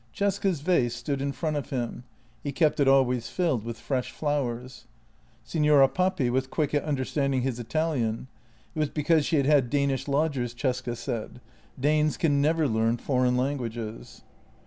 Cesca's vase stood in front of him; he kept it always filled with fresh flowers. Signora Papi was quick at understanding his Italian. It was because she had had Danish lodgers, Cesca said — Danes can never learn foreign languages.